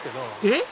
えっ？